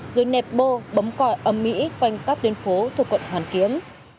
rồi nẹp bô bấm còi ấm mỹ quanh các tuyên phố thuộc quận hoàn kiếm